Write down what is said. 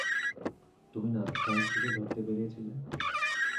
তুমি না ফেং-শিকে ধরতে বেরিয়েছিলে?